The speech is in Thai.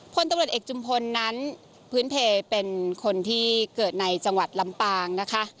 พลตำรวจเอกจุมพลนั้นพื้นเพลเป็นคนที่เกิดในจังหวัดลำปางนะคะ